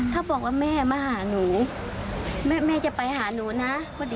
ถ้าบอกว่าแม่มาหาหนูแม่จะไปหาหนูนะ